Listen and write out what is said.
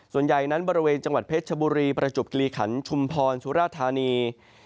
ส่วนใหญ่นั้นบริเวณจังหวัดเพชรชบุรีประจบกิริขันชุมพรสุราธานี